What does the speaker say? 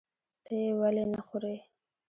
ته یې ولې نخورې؟